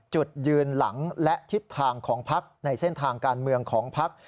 จุดยืนหลังและทิศทางของพักในเส้นทางการเมืองของพัก